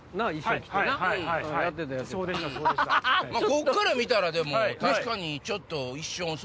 こっから見たら確かにちょっと。